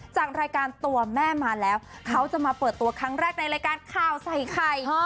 เจอกันตัวครั้งแรกในรายการข้าวใส่ไข่